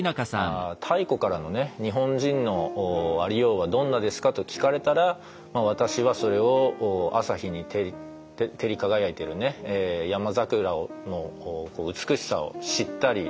「太古からのね日本人のありようはどんなですか？」と聞かれたら私はそれを朝日に照り輝いてる山桜の美しさを知ったりする。